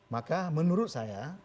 maka menurut saya